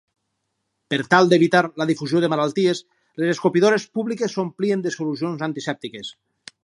Per tal d'evitar la difusió de malalties, les escopidores públiques s'omplien de solucions antisèptiques.